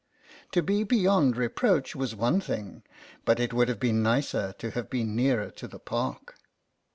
To be beyond reproach was one thing, but it would have been nicer to have been nearer to the Park.